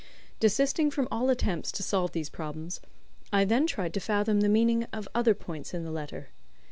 Desisting from all attempts to solve these problems, I then tried to fathom the meaning of other points in the letter.